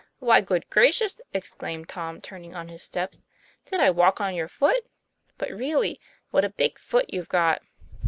'Why, good gracious!" exclaimed Tom, turning on his steps, "did I walk on your foot? But really, what a big foot you've got!"